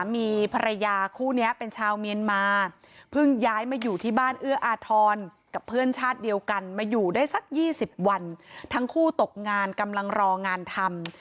มาอยู่ได้สัก๒๐วันทั้งคู่ตกงานกำลังรองานทำ